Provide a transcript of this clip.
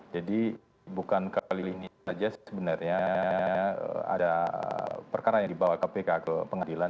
jadi bukan kali ini saja sebenarnya ada perkara yang dibawa kpk ke pengadilan